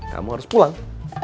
kamu harus pulang